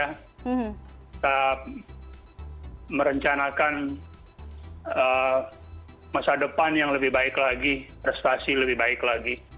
kita merencanakan masa depan yang lebih baik lagi prestasi lebih baik lagi